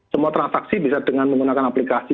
semua transaksi bisa dengan menggunakan aplikasi